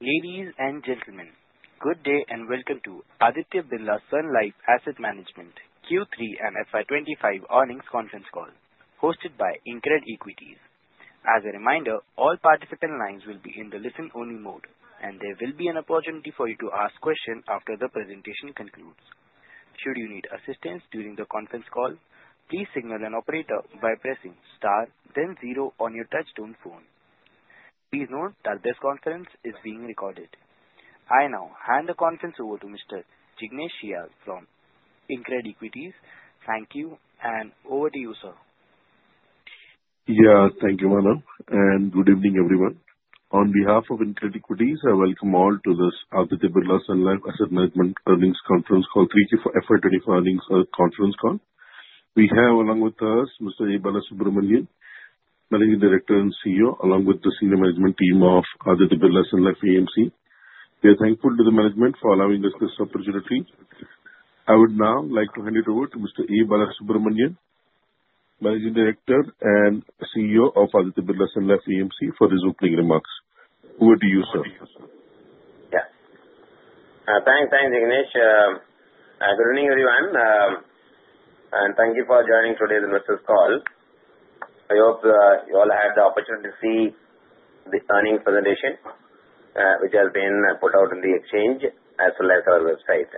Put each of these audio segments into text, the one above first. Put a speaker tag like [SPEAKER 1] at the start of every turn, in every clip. [SPEAKER 1] Ladies and gentlemen, good day and welcome to Aditya Birla Sun Life Asset Management Q3 and FY 2025 earnings conference call, hosted by InCred Equities. As a reminder, all participant lines will be in the listen-only mode, and there will be an opportunity for you to ask questions after the presentation concludes. Should you need assistance during the conference call, please signal an operator by pressing star, then zero on your touch-tone phone. Please note that this conference is being recorded. I now hand the conference over to Mr. Jignesh Shial from InCred Equities. Thank you, and over to you, sir.
[SPEAKER 2] Yeah, thank you, Manu, and good evening, everyone. On behalf of InCred Equities, I welcome all to this Aditya Birla Sun Life AMC earnings conference call, 3Q for FY 2024 earnings conference call. We have, along with us, Mr. A. Balasubramanian, Managing Director and CEO, along with the senior management team of Aditya Birla Sun Life AMC. We are thankful to the management for allowing us this opportunity. I would now like to hand it over to Mr. A. Balasubramanian, Managing Director and CEO of Aditya Birla Sun Life AMC, for his opening remarks. Over to you, sir.
[SPEAKER 3] Yes. Thanks, Jignesh. Good evening, everyone, and thank you for joining today's investors' call. I hope you all had the opportunity to see the earnings presentation, which has been put out in the exchange as well as our website.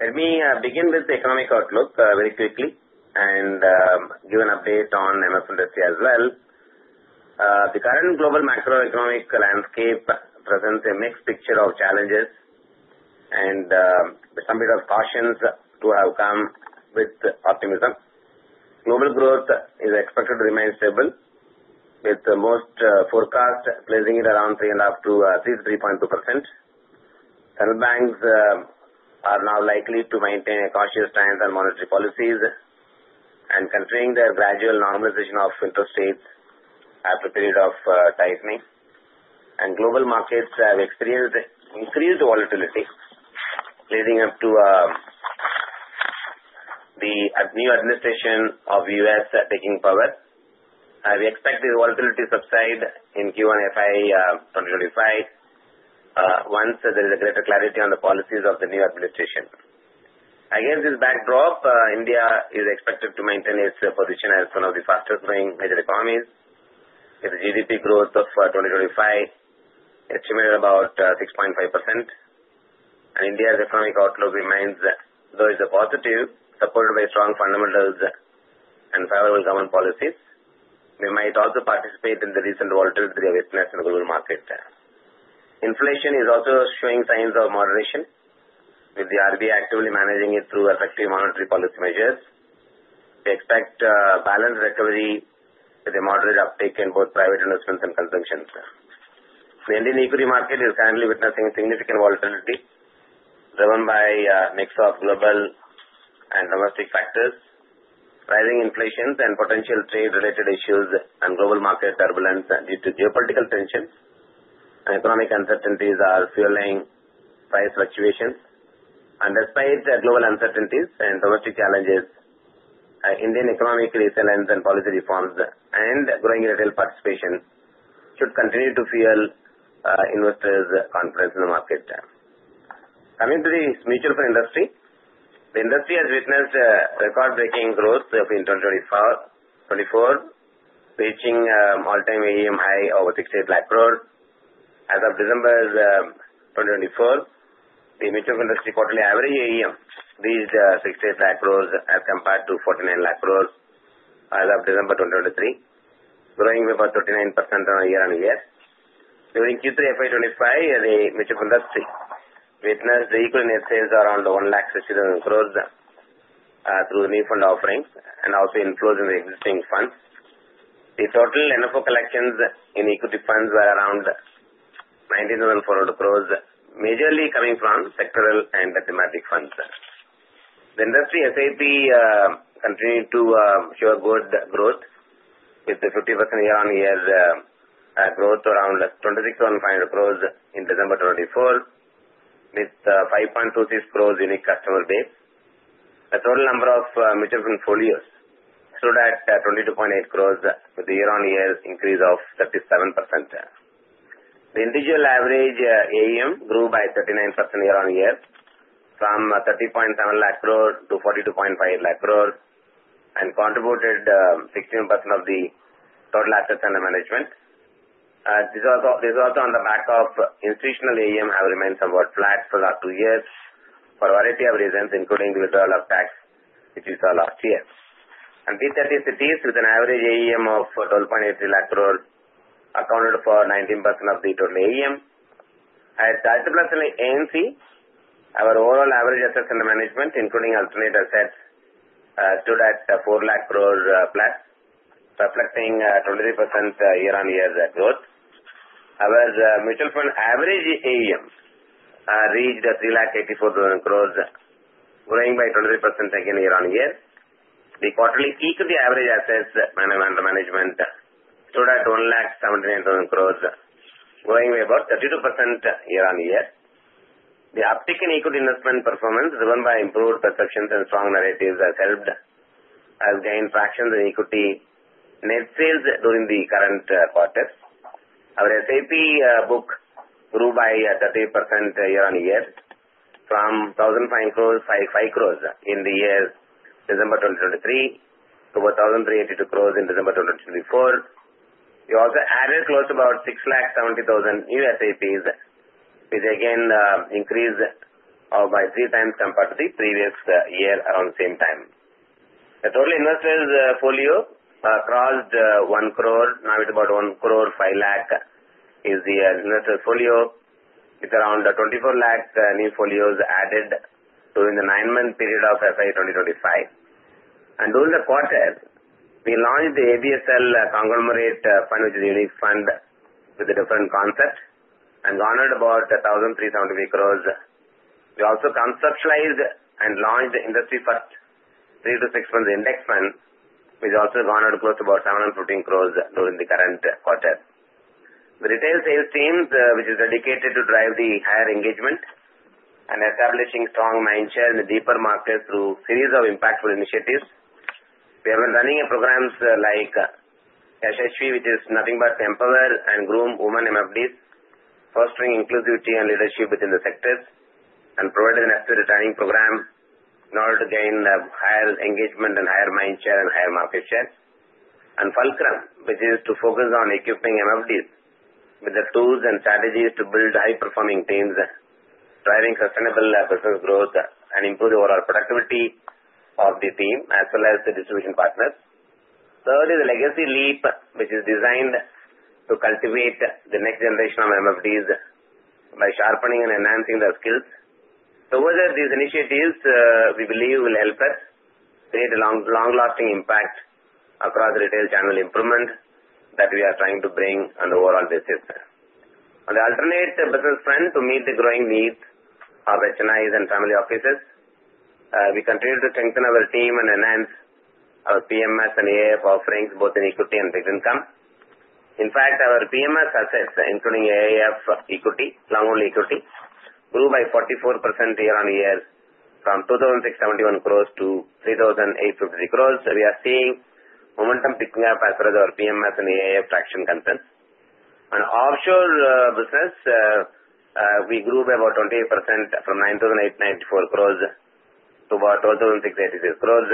[SPEAKER 3] Let me begin with the economic outlook very quickly and give an update on the investors' as well. The current global macroeconomic landscape presents a mixed picture of challenges, and there's some bit of cautions to have come with optimism. Global growth is expected to remain stable, with the most forecast placing it around 3.2%. Central banks are now likely to maintain a cautious stance on monetary policies and continue their gradual normalization of interest rates after a period of tightening, and global markets have experienced increased volatility leading up to the new administration of the U.S. taking power. We expect this volatility to subside in Q1 FY 2025 once there is a greater clarity on the policies of the new administration. Against this backdrop, India is expected to maintain its position as one of the fastest-growing major economies, with a GDP growth of 2025 estimated at about 6.5%, and India's economic outlook remains positive, supported by strong fundamentals and favorable government policies. We might also participate in the recent volatility we've seen in the global market. Inflation is also showing signs of moderation, with the RBI actively managing it through effective monetary policy measures. We expect balanced recovery with a moderate uptake in both private investments and consumption. The Indian equity market is currently witnessing significant volatility driven by a mix of global and domestic factors, rising inflation, and potential trade-related issues and global market turbulence due to geopolitical tensions, and economic uncertainties are fueling price fluctuations. And despite global uncertainties and domestic challenges, Indian economic resilience and policy reforms and growing retail participation should continue to fuel investors' confidence in the market. Coming to the mutual fund industry, the industry has witnessed record-breaking growth in 2024, reaching an all-time AUM high of 68 lakh crores. As of December 2024, the mutual fund industry quarterly average AUM reached 68 lakh crores as compared to 49 lakh crores as of December 2023, growing by about 39% year-on-year. During Q3 FY 2025, the mutual fund industry witnessed equity net sales around 167 crores through new fund offerings and also inflows in the existing funds. The total NFO collections in equity funds were around 19,400 crores, majorly coming from sectoral and thematic funds. The industry SIP continued to show good growth, with a 50% year-on-year growth around 26,500 crores in December 2024, with 5.26 crores unique customer base. The total number of mutual fund folios exceeded 22.8 crores, with a year-on-year increase of 37%. The individual average AUM grew by 39% year-on-year from 30.7 lakh crores to 42.5 lakh crores and contributed 16% of the total assets under management. This is also on the back of institutional AUM having remained somewhat flat for the last two years for a variety of reasons, including the withdrawal of tax, which we saw last year. These 30 cities, with an average AUM of 12.83 lakh crores, accounted for 19% of the total AUM. At Aditya Birla Sun Life AMC, our overall average assets under management, including alternate assets, stood at 4 lakh crores plus, reflecting 23% year-on-year growth. Our mutual fund average AUM reached 384,000 crores, growing by 23% again year-on-year. The quarterly equity average assets under management stood at 179,000 crores, growing by about 32% year-on-year. The uptick in equity investment performance, driven by improved perceptions and strong narratives, has helped us gain traction in equity net sales during the current quarter. Our SIP book grew by 38% year-on-year from 1,555 crores in the year December 2023 to 1,382 crores in December 2024. We also added close to about 670,000 new SIPs, with again an increase of by three times compared to the previous year around the same time. The total investors' folio crossed 1 crore, now it's about 1 crore 5 lakh is the investors' folio, with around 24 lakh new folios added during the nine-month period of FY 2025, and during the quarter, we launched the ABSL Conglomerate Fund, which is a unique fund with a different concept, and garnered about 1,373 crores. We also conceptualized and launched the Nifty Ultra Short Duration Debt Index Fund, which also garnered close to about 714 crore during the current quarter. The retail sales team, which is dedicated to driving the higher engagement and establishing strong mindshare in the deeper markets through a series of impactful initiatives, we have been running programs like Koshish, which is nothing but empower and groom women MFDs, fostering inclusivity and leadership within the sectors, and providing an Asset Nurturing Program in order to gain higher engagement and higher mindshare and higher market share, and Fulcrum, which is to focus on equipping MFDs with the tools and strategies to build high-performing teams, driving sustainable business growth and improving overall productivity of the team as well as the distribution partners. Third is the Legacy Leap, which is designed to cultivate the next generation of MFDs by sharpening and enhancing their skills. Towards these initiatives, we believe will help us create a long-lasting impact across the retail channel improvement that we are trying to bring on the overall basis. On the alternate business front, to meet the growing needs of HNIs and family offices, we continue to strengthen our team and enhance our PMS and AIF offerings both in equity and fixed income. In fact, our PMS assets, including AIF equity, long-only equity, grew by 44% year-on-year from 2,671 crores to 3,853 crores. We are seeing momentum picking up as far as our PMS and AIF traction is concerned. On offshore business, we grew by about 28% from 9,894 crores to about 12,686 crores.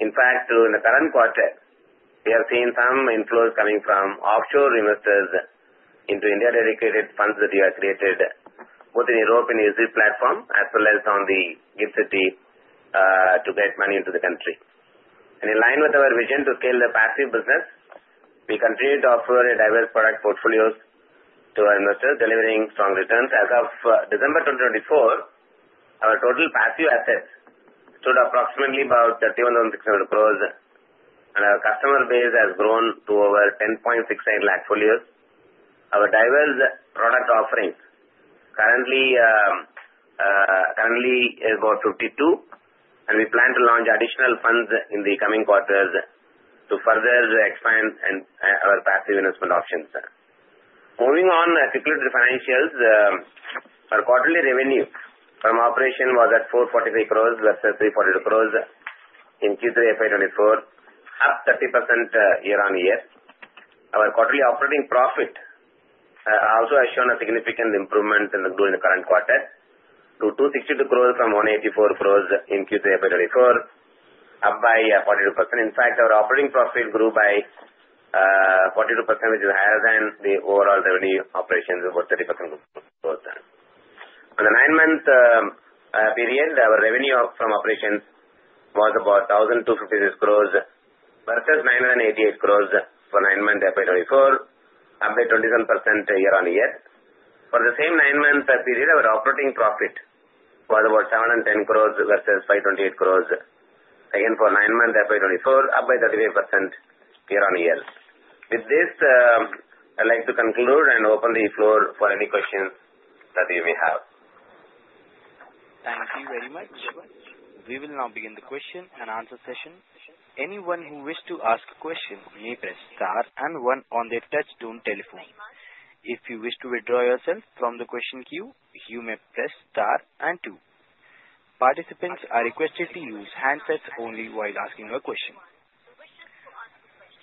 [SPEAKER 3] In fact, during the current quarter, we have seen some inflows coming from offshore investors into India-dedicated funds that we have created both in Europe and EU platform as well as on the GIFT City to get money into the country. And in line with our vision to scale the passive business, we continue to offer a diverse product portfolio to our investors, delivering strong returns. As of December 2024, our total passive assets stood approximately about 31,600 crores, and our customer base has grown to over 10.69 lakh folios. Our diverse product offerings currently is about 52, and we plan to launch additional funds in the coming quarters to further expand our passive investment options. Moving on quickly to the financials, our quarterly revenue from operations was at 443 crores versus 342 crores in Q3 FY 2024, up 30% year-on-year. Our quarterly operating profit also has shown a significant improvement during the current quarter to 262 crores from 184 crores in Q3 FY 2024, up by 42%. In fact, our operating profit grew by 42%, which is higher than the overall revenue operations, about 30% growth. On the nine-month period, our revenue from operations was about INR 1,256 crores versus INR 988 crores for nine months FY 2024, up by 27% year-on-year. For the same nine-month period, our operating profit was about 710 crores versus 528 crores, again for nine months FY 2024, up by 35% year-on-year. With this, I'd like to conclude and open the floor for any questions that you may have.
[SPEAKER 1] Thank you very much. We will now begin the question and answer session. Anyone who wishes to ask a question may press star and one on their touch-tone telephone. If you wish to withdraw yourself from the question queue, you may press star and two. Participants are requested to use handsets only while asking a question.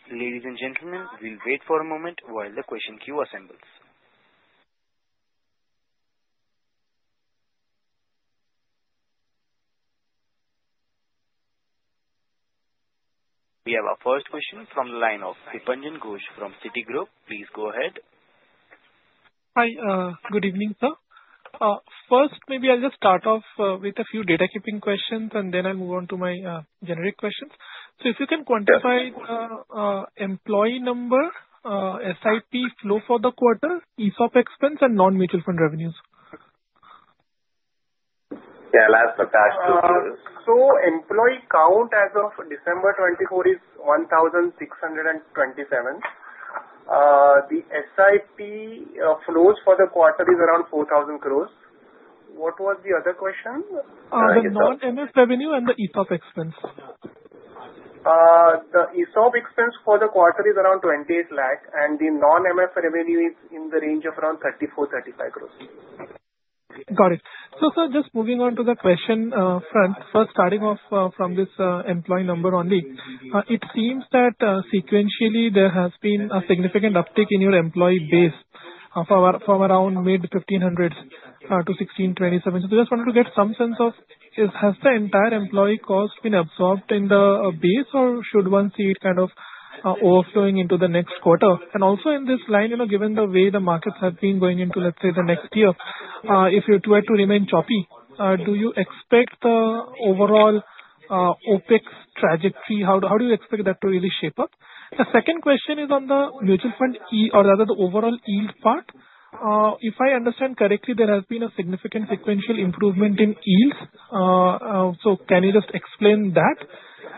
[SPEAKER 1] Ladies and gentlemen, we'll wait for a moment while the question queue assembles. We have our first question from the line of Dipanjan Ghosh from Citigroup. Please go ahead.
[SPEAKER 4] Hi, good evening, sir. First, maybe I'll just start off with a few data-keeping questions, and then I'll move on to my generic questions. So if you can quantify the employee number, SIP flow for the quarter, ESOP expense, and non-mutual fund revenues.
[SPEAKER 3] Yeah, last of the last two years.
[SPEAKER 5] Employee count as of December 24th is 1,627. The SIP flows for the quarter are around 4,000 crores. What was the other question?
[SPEAKER 4] The non-MF revenue and the ESOP expense?
[SPEAKER 5] The ESOP expense for the quarter is around 28 lakh, and the non-MF revenue is in the range of around 34-35 crores.
[SPEAKER 4] Got it. Sir, just moving on to the question front, first starting off from this employee number only, it seems that sequentially there has been a significant uptick in your employee base from around mid-1,500s to 1,627. I just wanted to get some sense of, has the entire employee cost been absorbed in the base, or should one see it kind of overflowing into the next quarter? And also in this line, given the way the markets have been going into, let's say, the next year, if you were to remain choppy, do you expect the overall OpEx trajectory? How do you expect that to really shape up? The second question is on the mutual fund, or rather the overall yield part. If I understand correctly, there has been a significant sequential improvement in yields. So can you just explain that?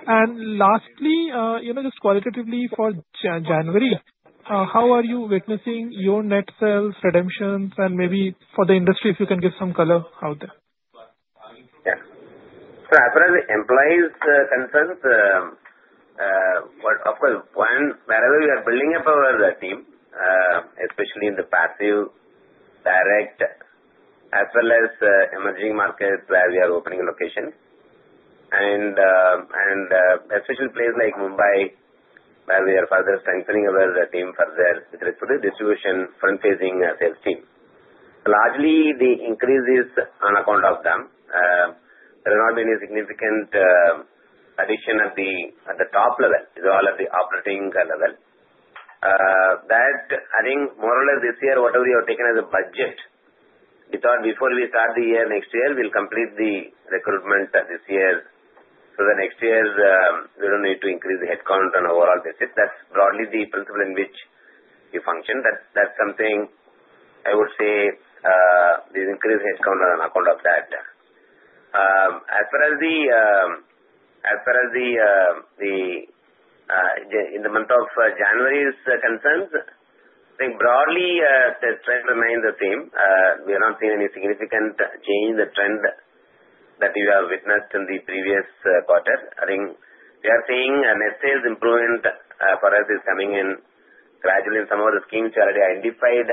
[SPEAKER 4] And lastly, just qualitatively for January, how are you witnessing your net sales, redemptions, and maybe for the industry, if you can give some color out there?
[SPEAKER 3] So as far as the employees concerned, of course, one, wherever we are building up our team, especially in the passive direct, as well as emerging markets where we are opening locations, and especially places like Mumbai, where we are further strengthening our team further with the distribution front-facing sales team. Largely, the increase is on account of them. There has not been any significant addition at the top level, at all at the operating level. That, I think, more or less this year, whatever we have taken as a budget, we thought before we start the year, next year, we'll complete the recruitment this year. So the next year, we don't need to increase the headcount on overall basis. That's broadly the principle in which we function. That's something I would say we've increased headcount on account of that. As far as the month of January's concerns, I think broadly, the trend remains the same. We have not seen any significant change in the trend that we have witnessed in the previous quarter. I think we are seeing a net sales improvement for us is coming in gradually in some of the schemes we already identified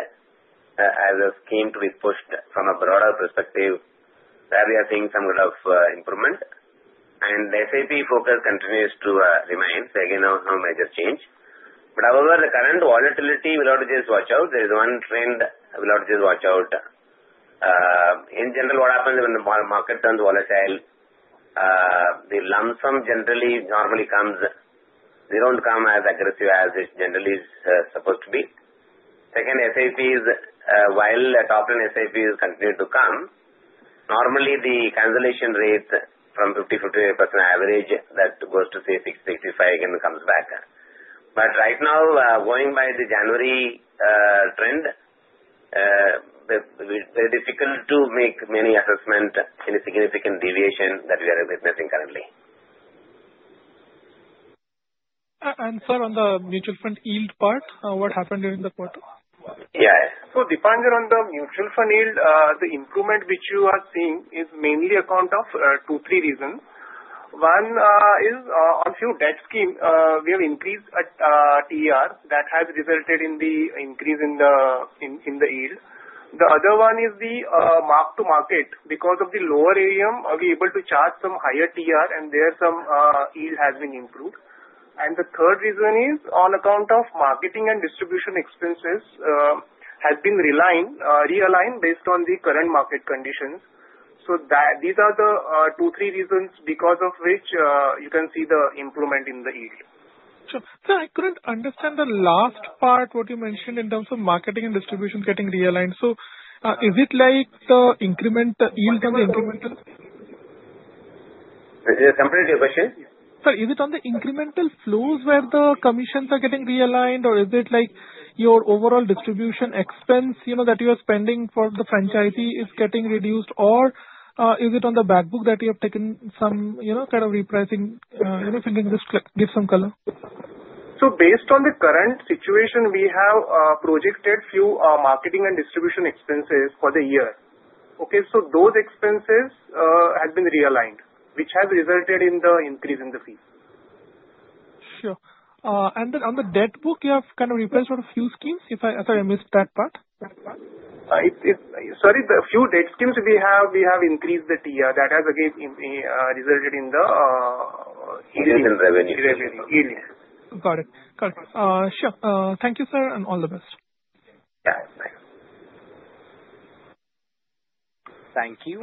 [SPEAKER 3] as a scheme to be pushed from a broader perspective, where we are seeing some kind of improvement, and the SIP focus continues to remain, so again, no major change, but however, the current volatility, we'll have to just watch out. There is one trend we'll have to just watch out. In general, what happens when the market turns volatile, the lump sum generally normally comes. They don't come as aggressive as it generally is supposed to be. Second, SIPs, while top-line SIPs continue to come, normally the cancellation rate from 50% to 55% average that goes to say 60% to 65%, again comes back. But right now, going by the January trend, it's very difficult to make many assessments of any significant deviation that we are witnessing currently.
[SPEAKER 4] Sir, on the mutual fund yield part, what happened during the quarter?
[SPEAKER 3] Yeah. So Dipanjan, on the mutual fund yield, the improvement which you are seeing is mainly on account of two, three reasons. One is on a few debt schemes, we have increased TER that has resulted in the increase in the yield. The other one is the mark-to-market. Because of the lower AUM, we are able to charge some higher TER, and thereby some yield has been improved. And the third reason is on account of marketing and distribution expenses has been realigned based on the current market conditions. So these are the two, three reasons because of which you can see the improvement in the yield.
[SPEAKER 4] Sure. Sir, I couldn't understand the last part, what you mentioned in terms of marketing and distribution getting realigned. So is it like the increment yield on the incremental?
[SPEAKER 3] Can you repeat the question?
[SPEAKER 4] Sir, is it on the incremental flows where the commissions are getting realigned, or is it like your overall distribution expense that you are spending for the franchisee is getting reduced, or is it on the backbook that you have taken some kind of repricing? If you can just give some color.
[SPEAKER 3] So based on the current situation, we have projected few marketing and distribution expenses for the year. Okay, so those expenses have been realigned, which has resulted in the increase in the fee.
[SPEAKER 4] Sure. And then on the debt book, you have kind of repriced for a few schemes? Sorry, I missed that part.
[SPEAKER 3] Sorry, the few debt schemes we have, we have increased the TER. That has, again, resulted in the yield revenue.
[SPEAKER 4] Got it. Got it. Sure. Thank you, sir, and all the best.
[SPEAKER 3] Yeah. Thank you.
[SPEAKER 1] Thank you.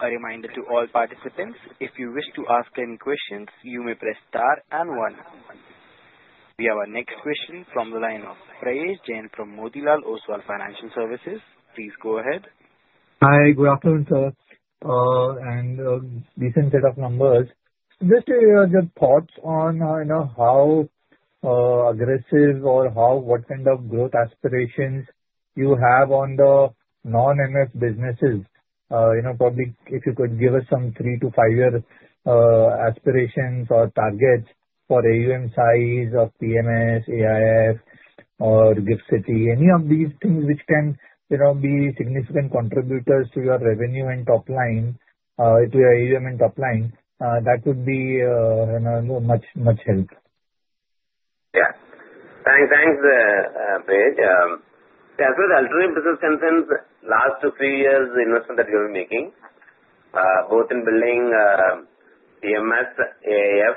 [SPEAKER 1] A reminder to all participants, if you wish to ask any questions, you may press star and one. We have our next question from the line of Prayesh Jain from Motilal Oswal Financial Services. Please go ahead.
[SPEAKER 6] Hi, good afternoon, sir, and decent set of numbers. Just your thoughts on how aggressive or what kind of growth aspirations you have on the non-MF businesses. Probably if you could give us some three to five-year aspirations or targets for AUM size of PMS, AIF, or GIFT City, any of these things which can be significant contributors to your revenue and top line, to your AUM and top line, that would be a much, much help?
[SPEAKER 3] Yeah. Thanks, Prayesh. As for the alternate business concerns, last two, three years, the investment that we are making, both in building PMS, AIF,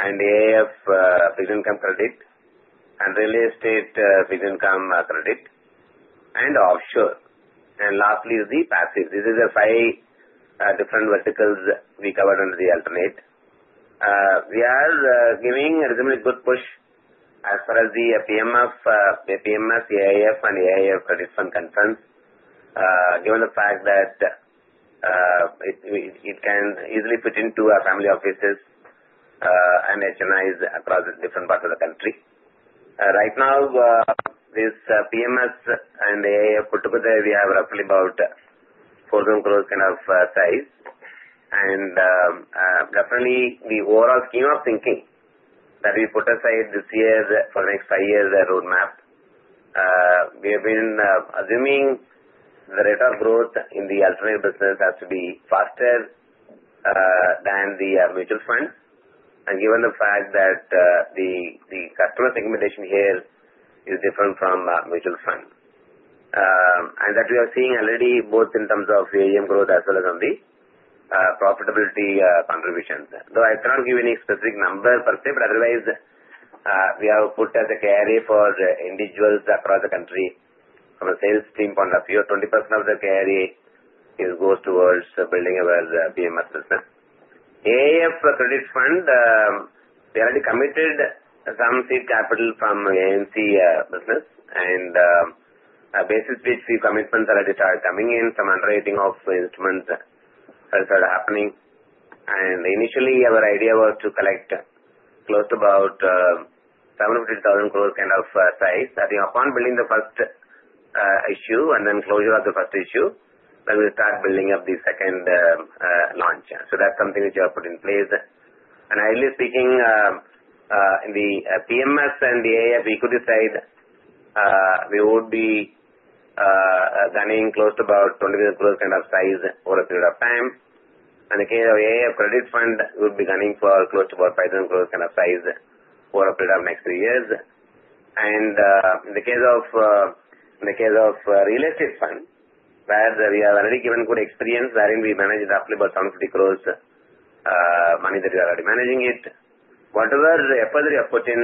[SPEAKER 3] and AIF fixed income credit, and Retirement Benefit Fund fixed income credit, and offshore. And lastly is the passive. This is the five different verticals we covered under the alternate. We are giving a reasonably good push as far as the PMS, AIF, and AIF credit fund concerns, given the fact that it can easily put into our family offices and HNIs across different parts of the country. Right now, this PMS and AIF put together, we have roughly about 4,000 crores kind of size. And definitely, the overall scheme of thinking that we put aside this year for the next five years' roadmap, we have been assuming the rate of growth in the alternate business has to be faster than the mutual fund. And given the fact that the customer segmentation here is different from mutual fund. And that we are seeing already both in terms of AUM growth as well as on the profitability contributions. Though I cannot give any specific number per se, but otherwise, we have put as a carry for individuals across the country from a sales team point of view, 20% of the carry goes towards building our PMS business. AIF credit fund, we already committed some seed capital from AMC business, and basically a few commitments already started coming in, some underwriting of instruments that are happening. And initially, our idea was to collect close to about 750,000 crore kind of size. I think upon building the first issue and then closure of the first issue, then we'll start building up the second launch. So that's something which we have put in place. Ideally speaking, in the PMS and the AIF, we could decide we would be gunning close to about 20,000 crores kind of size for a period of time. In the case of AIF credit fund, we would be gunning for close to about 5,000 crores kind of size for a period of next three years. In the case of Retirement Benefit Fund, where we have already given good experience, I think we managed roughly about 750 crores money that we are already managing it. Whatever effort we have put in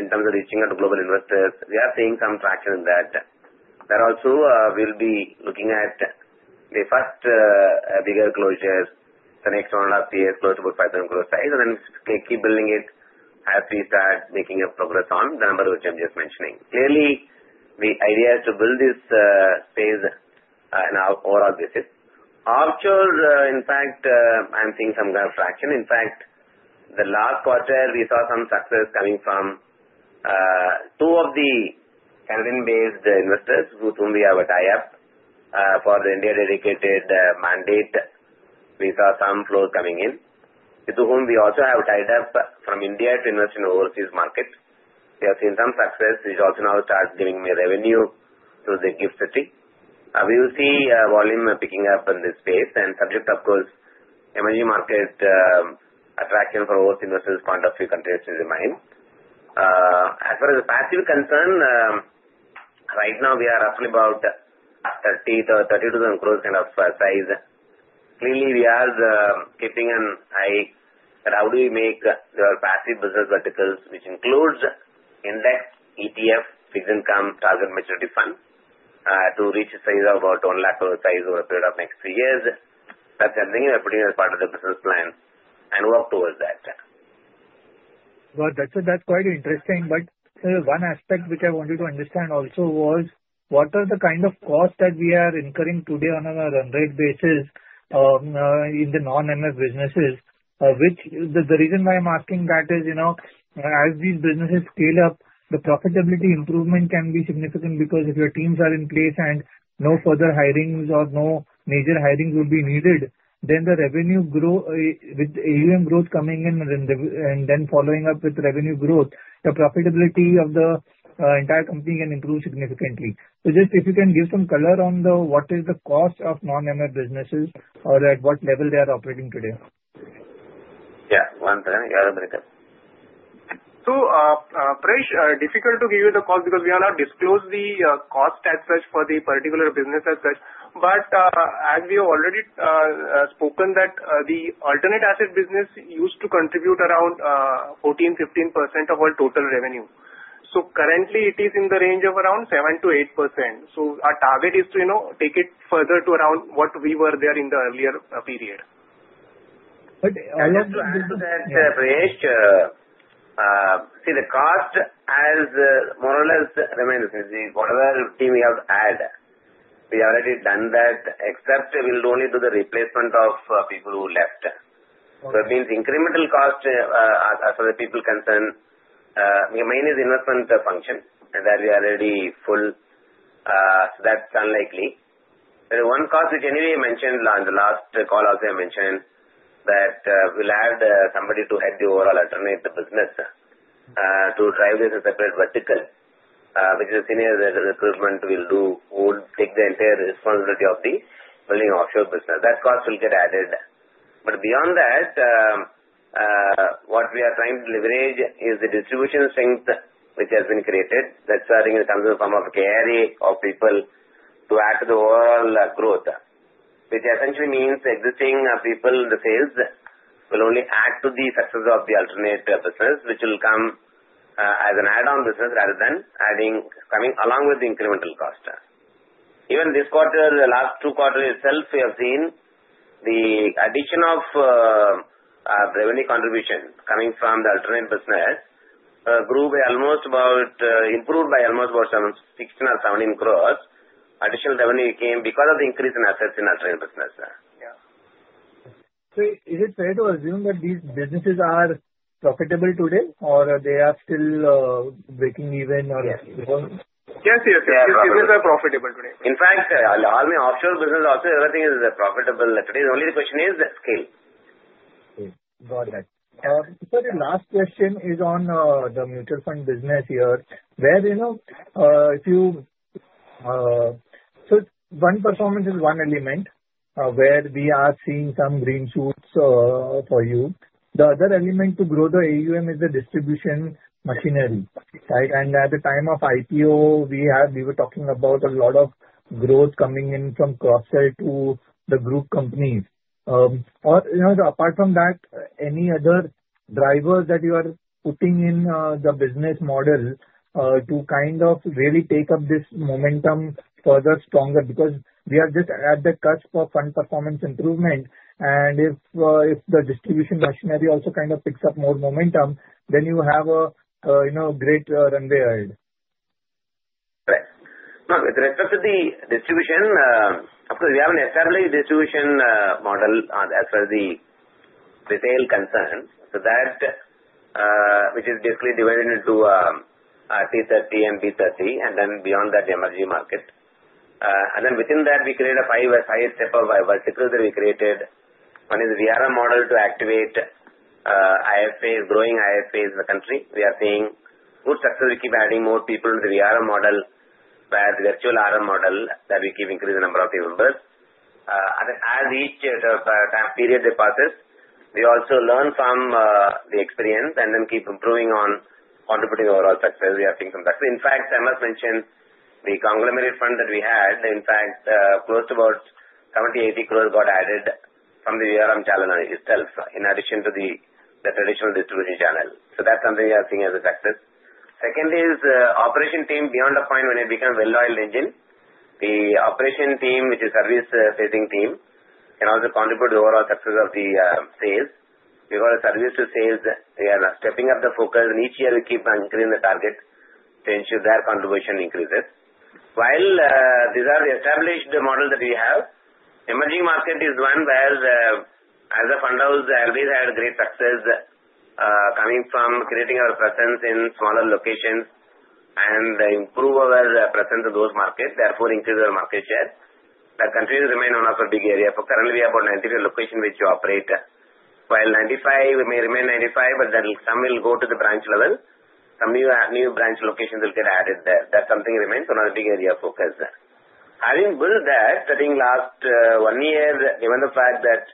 [SPEAKER 3] in terms of reaching out to global investors, we are seeing some traction in that. There also, we'll be looking at the first bigger closures, the next one and a half years close to about 5,000 crores size, and then keep building it as we start making progress on the number which I'm just mentioning. Clearly, the idea is to build this phase in our overall basis. Offshore, in fact, I'm seeing some kind of traction. In fact, the last quarter, we saw some success coming from two of the Caribbean-based investors with whom we have a tie-up for the India-dedicated mandate. We saw some flows coming in, with whom we also have tied up from India to invest in overseas markets. We have seen some success, which also now starts giving me revenue through the GIFT City. We will see volume picking up in this space. And subject, of course, emerging market attraction for overseas investors' point of view continues to remain. As far as the passive concern, right now, we are roughly about 30,000 crore kind of size. Clearly, we are keeping an eye that how do we make the passive business verticals, which includes index, ETF, fixed income target maturity fund, to reach a size of about 1,000,000 crores size over a period of next three years. That's something we are putting as part of the business plan and work towards that.
[SPEAKER 6] Got it. That's quite interesting, but one aspect which I wanted to understand also was, what are the kind of costs that we are incurring today on an unrated basis in the non-MF businesses? The reason why I'm asking that is, as these businesses scale up, the profitability improvement can be significant because if your teams are in place and no further hirings or no major hirings will be needed, then the revenue growth with AUM growth coming in and then following up with revenue growth, the profitability of the entire company can improve significantly, so just if you can give some color on what is the cost of non-MF businesses or at what level they are operating today.
[SPEAKER 5] Yeah. One second. You have a breakup. So Prayesh, difficult to give you the cost because we will not disclose the cost as such for the particular business as such. But as we have already spoken, the alternate assets business used to contribute around 14%, 15% of our total revenue. So currently, it is in the range of around 7% to 8%. So our target is to take it further to around what we were there in the earlier period.
[SPEAKER 3] But I just wanted to say, Prayesh, see, the cost has more or less remained the same. Whatever team we have added, we have already done that, except we'll only do the replacement of people who left. So it means incremental cost as far as people concerned. The main is investment function that we are already full. So that's unlikely. There is one cost which anyway I mentioned on the last call also I mentioned that we'll add somebody to head the overall alternate business to drive this as a separate vertical, which is a senior recruitment we'll do, who would take the entire responsibility of the building offshore business. That cost will get added. But beyond that, what we are trying to leverage is the distribution strength which has been created. That's something that comes in the form of a carry of people to add to the overall growth, which essentially means existing people in the sales will only add to the success of the alternate business, which will come as an add-on business rather than coming along with the incremental cost. Even this quarter, the last two quarters itself, we have seen the addition of revenue contribution coming from the alternate business improved by almost 16 or 17 crores. Additional revenue came because of the increase in assets in alternate business.
[SPEAKER 6] Yeah. So is it fair to assume that these businesses are profitable today, or are they still breaking even or?
[SPEAKER 3] Yes, yes, yes. These businesses are profitable today. In fact, offshore business also, everything is profitable today. The only question is scale.
[SPEAKER 6] Got it. So the last question is on the mutual fund business here, where fund performance is one element where we are seeing some green shoots for you. The other element to grow the AUM is the distribution machinery, right? And at the time of IPO, we were talking about a lot of growth coming in from cross-sell to the group companies. Apart from that, any other drivers that you are putting in the business model to kind of really take up this momentum further, stronger? Because we are just at the cusp of fund performance improvement, and if the distribution machinery also kind of picks up more momentum, then you have a great runway ahead.
[SPEAKER 3] Correct. No, with respect to the distribution, of course, we have an established distribution model as far as the retail concerns, which is basically divided into T30 and B30, and then beyond that, the emerging market. And then within that, we created a five-step vertical that we created. One is VRM model to activate growing IFAs in the country. We are seeing good success. We keep adding more people into the VRM model via the virtual RM model that we keep increasing the number of team members. As each time period departs, we also learn from the experience and then keep improving on contributing overall success. We are seeing some success. In fact, I must mention the conglomerate fund that we had. In fact, close to about 70-80 crores got added from the VRM channel itself in addition to the traditional distribution channel. So that's something we are seeing as a success. Second is the operation team. Beyond a point when it becomes a well-oiled engine, the operation team, which is a service-facing team, can also contribute to the overall success of the sales. We got a service to sales. We are stepping up the focus, and each year we keep increasing the target to ensure their contribution increases. While these are the established model that we have, emerging market is one where as a fund, we've had great success coming from creating our presence in smaller locations and improving our presence in those markets, therefore increasing our market share. That continues to remain one of our big areas. Currently, we have about 95 locations which operate, while 95 may remain 95, but some will go to the branch level. Some new branch locations will get added there. That's something that remains one of the big area of focus. Having built that, I think last one year, given the fact that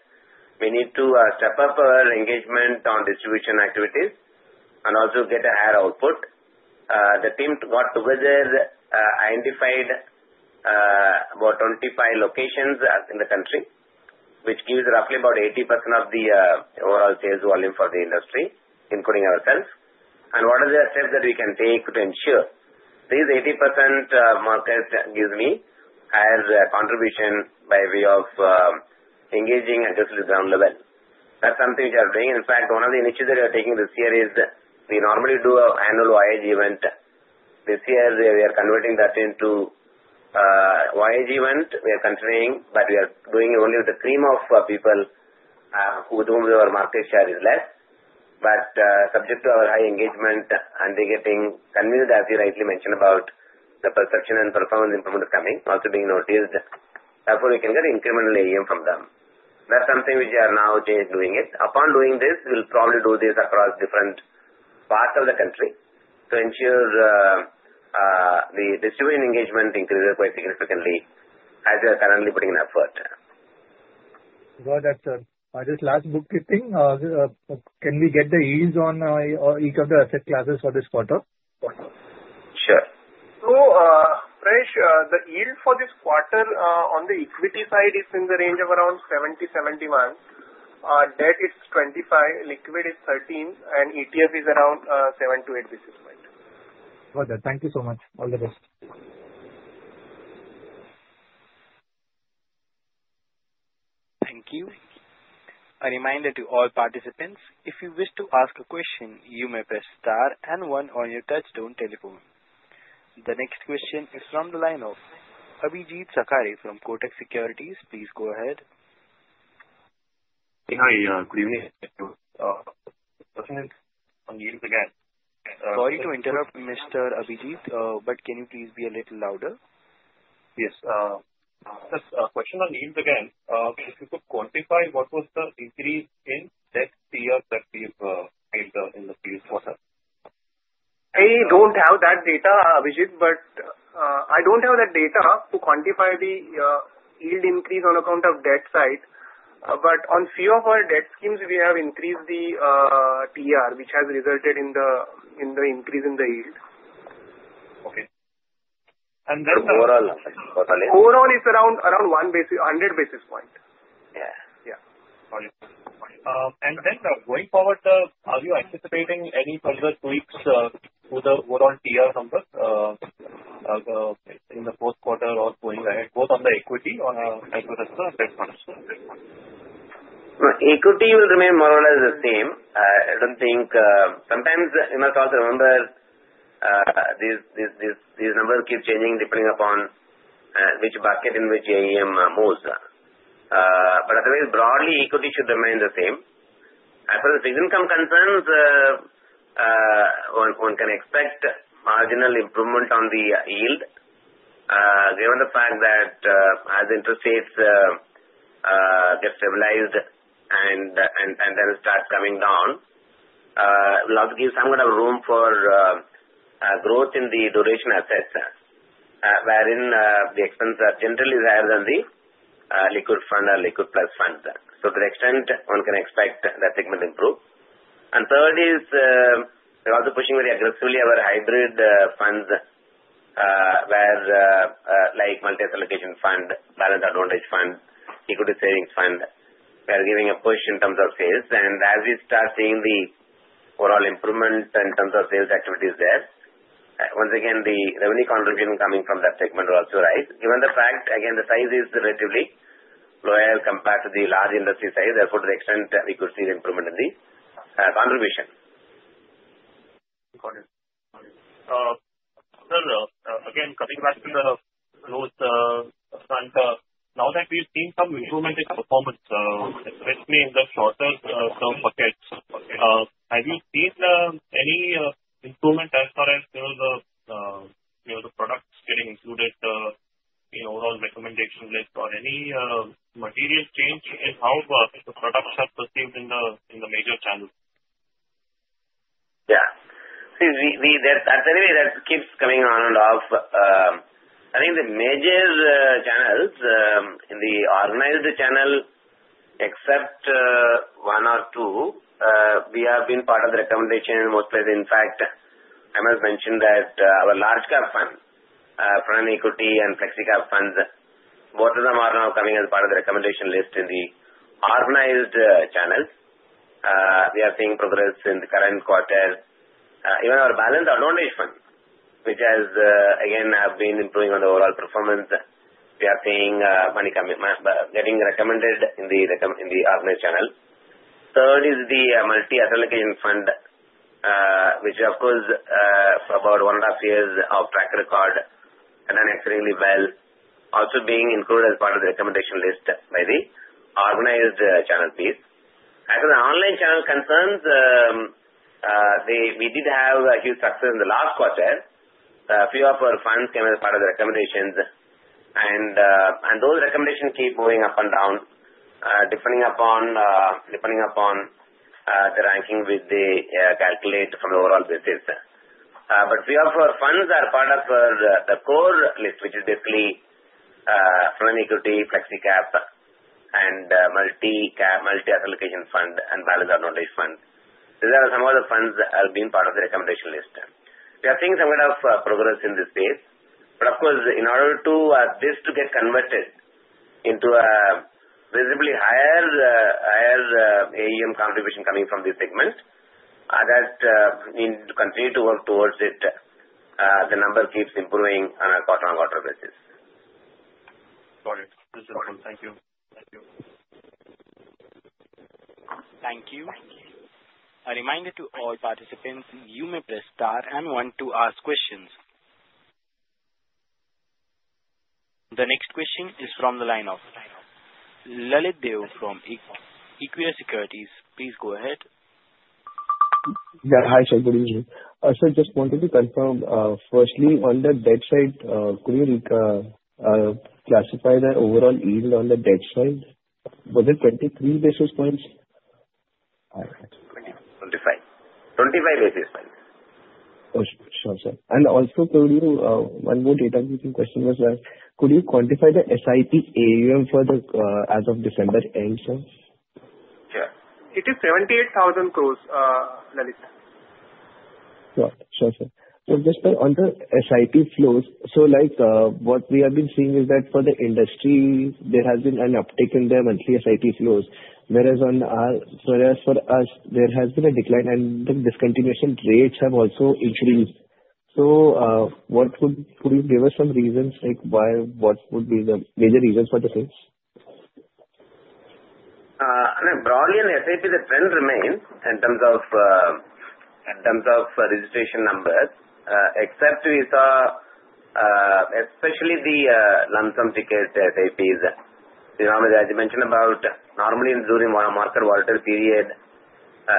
[SPEAKER 3] we need to step up our engagement on distribution activities and also get a higher output, the team got together, identified about 25 locations in the country, which gives roughly about 80% of the overall sales volume for the industry, including ourselves. And what are the steps that we can take to ensure these 80% market gives me higher contribution by way of engaging just at the ground level? That's something we are doing. In fact, one of the initiatives that we are taking this year is we normally do an annual YAG event. This year, we are converting that into YAG event. We are continuing, but we are doing it only with the cream of people with whom our market share is less. Subject to our high engagement and getting convinced, as you rightly mentioned, about the perception and performance improvement coming also being noticed, therefore we can get incremental AUM from them. That's something which we are now doing it. Upon doing this, we'll probably do this across different parts of the country to ensure the distribution engagement increases quite significantly as we are currently putting in effort.
[SPEAKER 6] Got it. This last bookkeeping, can we get the yields on each of the asset classes for this quarter?
[SPEAKER 3] Sure.
[SPEAKER 5] So Prayesh, the yield for this quarter on the equity side is in the range of around 70%-71%. Debt is 25%, liquid is 13%, and ETF is around 7%-8%.
[SPEAKER 6] Got it. Thank you so much. All the best.
[SPEAKER 1] Thank you. A reminder to all participants, if you wish to ask a question, you may press star and one on your touchstone telephone. The next question is from the line of Abhijit Sakhare from Kotak Securities. Please go ahead.
[SPEAKER 7] Hey, hi. Good evening. Question on yields again.
[SPEAKER 1] Sorry to interrupt, Mr. Abhijit, but can you please be a little louder?
[SPEAKER 7] Yes. Just a question on yields again. If you could quantify what was the increase in debt TER that we've made in the previous quarter?
[SPEAKER 5] I don't have that data, Abhijit, but I don't have that data to quantify the yield increase on account of debt side. But on a few of our debt schemes, we have increased the TER, which has resulted in the increase in the yield.
[SPEAKER 7] Okay. And then. Overall.
[SPEAKER 5] Overall, it's around 100 bps.
[SPEAKER 7] Yeah. Yeah. Going forward, are you anticipating any further tweaks to the overall TER numbers in the fourth quarter or going ahead, both on the equity and with respect to the debt funds?
[SPEAKER 3] Equity will remain more or less the same. I don't think sometimes in our thoughts, remember, these numbers keep changing depending upon which bucket in which AUM moves, but otherwise, broadly, equity should remain the same. As far as fixed income concerns, one can expect marginal improvement on the yield given the fact that as interest rates get stabilized and then start coming down, we'll have to give some kind of room for growth in the duration assets wherein the expenses are generally higher than the liquid fund or liquid plus fund, so to the extent one can expect that segment to improve, and third is we're also pushing very aggressively our hybrid funds where like multi-asset allocation fund, balance advantage fund, equity savings fund. We are giving a push in terms of sales. And as we start seeing the overall improvement in terms of sales activities there, once again, the revenue contribution coming from that segment will also rise. Given the fact, again, the size is relatively low compared to the large industry size. Therefore, to the extent we could see the improvement in the contribution.
[SPEAKER 7] Got it. No, no. Again, coming back to the growth front, now that we've seen some improvement in performance, especially in the shorter-term buckets, have you seen any improvement as far as the products getting included in overall recommendation list or any material change in how the products are perceived in the major channels?
[SPEAKER 3] Yeah. See, at the level that keeps coming on and off, I think the major channels in the organized channel, except one or two, we have been part of the recommendation in most places. In fact, I must mention that our large-cap fund, Frontline Equity, and Flexi Cap funds, both of them are now coming as part of the recommendation list in the organized channels. We are seeing progress in the current quarter. Even our Balanced Advantage Fund, which has, again, been improving on the overall performance, we are seeing money getting recommended in the organized channel. Third is the Multi-Asset Allocation Fund, which, of course, for about one and a half years of track record, has done exceedingly well, also being included as part of the recommendation list by the organized channel piece. As for the online channel concerns, we did have a huge success in the last quarter. A few of our funds came as part of the recommendations, and those recommendations keep moving up and down depending upon the ranking we calculate from the overall basis. But a few of our funds are part of the core list, which is basically Frontline Equity, Flexi Cap, and Multi-Asset Allocation Fund and Balanced Advantage Fund. These are some of the funds that have been part of the recommendation list. We are seeing some kind of progress in this space. But of course, in order for this to get converted into a visibly higher AUM contribution coming from this segment, we need to continue to work towards it. The number keeps improving on a quarter-on-quarter basis.
[SPEAKER 7] Got it. This is fine. Thank you. Thank you.
[SPEAKER 1] Thank you. A reminder to all participants, you may press star and one to ask questions. The next question is from the line of Lalit Deo from Equirus Securities. Please go ahead.
[SPEAKER 8] Yeah. Hi, sir. Good evening. Sir, just wanted to confirm, firstly, on the debt side, could you clarify the overall yield on the debt side? Was it 23 bps?
[SPEAKER 3] I got you. 25, 25 bps.
[SPEAKER 8] Sure, sir. And also, could you quantify the SIP AUM as of December end, sir?
[SPEAKER 3] Yeah. It is 78,000 crores, Lalit.
[SPEAKER 8] Got it. Sure, sir. So just on the SIP flows, so what we have been seeing is that for the industries, there has been an uptick in their monthly SIP flows, whereas for us, there has been a decline, and the discontinuation rates have also increased. So could you give us some reasons why? What would be the major reasons for the sales?
[SPEAKER 3] I mean, broadly, on the SIP, the trend remains in terms of registration numbers, except we saw, especially the lump sum ticket SIPs. As you mentioned about normally during a market volatile period,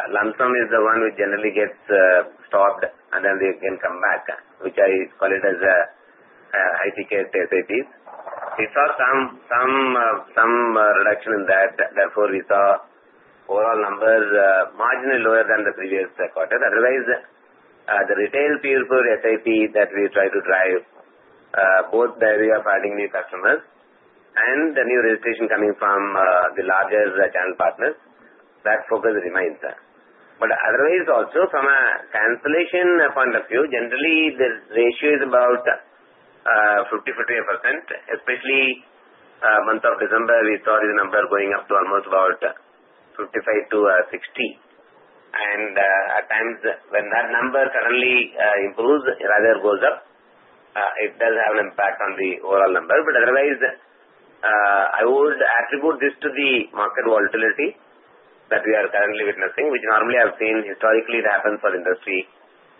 [SPEAKER 3] lump sum is the one which generally gets stopped, and then they can come back, which I call it as high-ticket SIPs. We saw some reduction in that. Therefore, we saw overall numbers marginally lower than the previous quarter. Otherwise, the retail peer-to-peer SIP that we try to drive, both the area of adding new customers and the new registration coming from the larger channel partners, that focus remains. But otherwise, also from a cancellation point of view, generally, the ratio is about 50-50%, especially month of December, we saw this number going up to almost about 55 to 60. and at times, when that number suddenly improves, rather goes up, it does have an impact on the overall number. but otherwise, I would attribute this to the market volatility that we are currently witnessing, which normally I've seen historically happen for industry.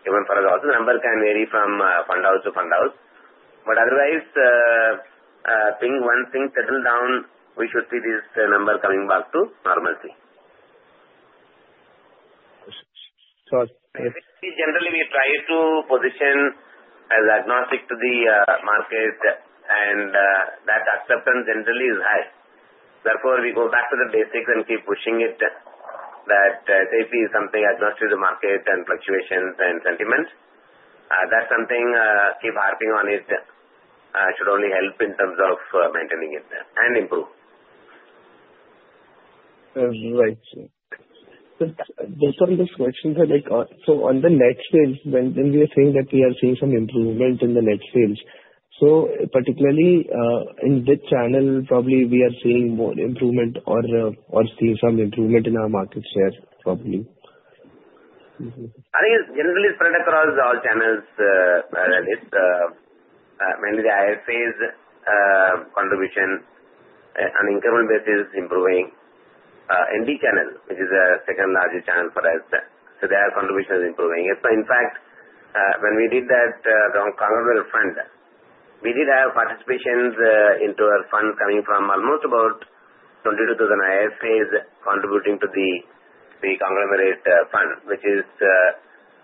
[SPEAKER 3] Even for us, also the number can vary from fund house to fund house. but otherwise, I think once things settle down, we should see this number coming back to normalcy.
[SPEAKER 8] Sure.
[SPEAKER 3] Generally, we try to position as agnostic to the market, and that acceptance generally is high. Therefore, we go back to the basics and keep pushing it that SIP is something agnostic to the market and fluctuations and sentiment. That's something to keep harping on. It should only help in terms of maintaining it and improve.
[SPEAKER 9] Right. So based on those questions that I got, so on the net sales, when we are saying that we are seeing some improvement in the net sales, so particularly in the channel, probably we are seeing more improvement or seeing some improvement in our market share, probably.
[SPEAKER 3] I think it generally spread across all channels, Lalit. Mainly the IFA's contribution on incremental basis is improving. ND channel, which is the second largest channel for us, so their contribution is improving. So in fact, when we did that conglomerate fund, we did have participation into our fund coming from almost about 22,000 IFAs contributing to the conglomerate fund, which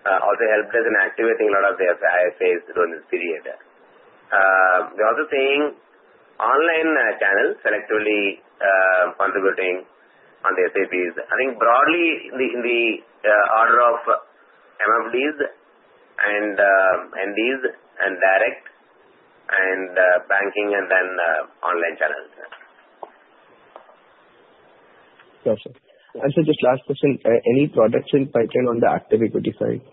[SPEAKER 3] also helped us in activating a lot of the IFAs during this period. We're also seeing online channels selectively contributing on the SIPs. I think broadly, in the order of MFDs and NDs and direct and banking and then online channels.
[SPEAKER 9] Gotcha. And so just last question, any products in pipeline on the active equity side?